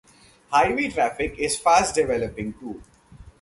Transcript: Highway traffic is fast-developing too.